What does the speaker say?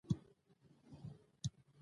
د برترۍ ښکارندويي کوي